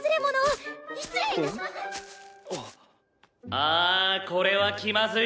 ああこれは気まずい。